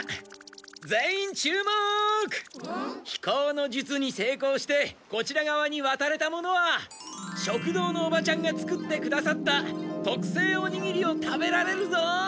飛行の術にせいこうしてこちらがわにわたれた者は食堂のおばちゃんが作ってくださったとくせいおにぎりを食べられるぞ！